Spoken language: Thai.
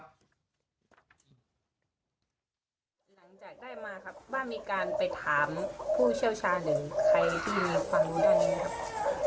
หลังจากได้มาครับว่ามีการไปถามผู้เชี่ยวชาญ